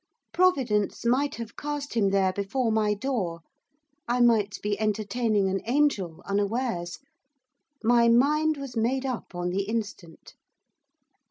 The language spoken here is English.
Providence might have cast him there before my door. I might be entertaining an angel unawares. My mind was made up on the instant.